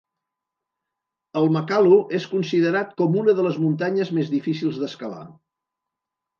El Makalu és considerat com una de les muntanyes més difícils d'escalar.